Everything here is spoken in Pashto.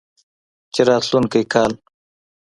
چې راتلونکی کال